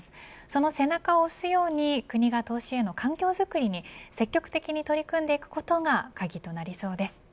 その背中を押すように国が投資への環境づくりに積極的に取り組んでいくことが鍵となりそうです。